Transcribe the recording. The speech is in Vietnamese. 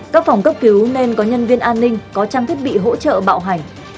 các phòng cấp cứu nên có nhân viên an ninh có trang thiết bị hỗ trợ bạo hành